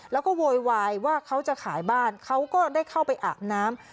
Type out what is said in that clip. แล้วก็โวยวายว่าเขาจะขายบ้านเขาก็ได้เข้าไปอาบน้ำ